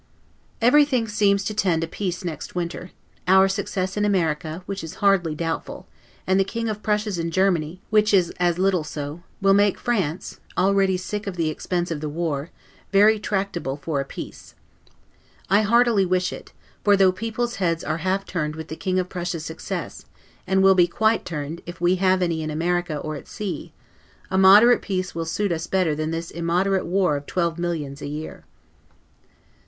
Everything seems to tend to a peace next winter: our success in America, which is hardly doubtful, and the King of Prussia's in Germany, which is as little so, will make France (already sick of the expense of the war) very tractable for a peace. I heartily wish it: for though people's heads are half turned with the King of Prussia's success, and will be quite turned, if we have any in America, or at sea, a moderate peace will suit us better than this immoderate war of twelve millions a year.